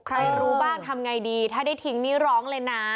ใครรู้บ้างทำไงดีถ้าได้ทิ้งนี่ร้องเลยนะ